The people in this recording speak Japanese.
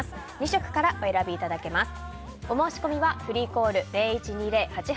２色からお選びいただけます。